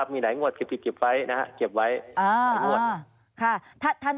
มีหลายงวดเก็บไว้